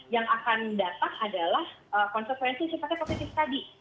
yang akan datang adalah konsekuensi sifatnya positif tadi